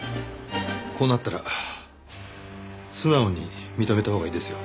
こうなったら素直に認めたほうがいいですよ。